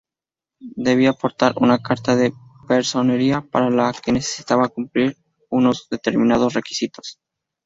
Debía portar una "Carta de personería" para la que necesitaba cumplir unos determinados requisitos.